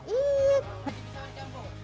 itu bisa dicampur